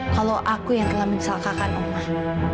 kalau aku yang telah menyesalkan omah